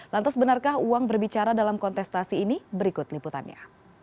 lantas benarkah uang berbicara dalam kontestasi ini berikut liputannya